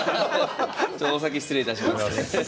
ちょっとお先に失礼いたします。